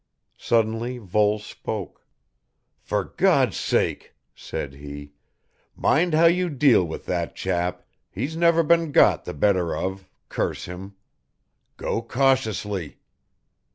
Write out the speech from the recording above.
Suddenly Voles spoke. "For God's sake," said he, "mind how you deal with that chap; he's never been got the better of, curse him. Go cautiously."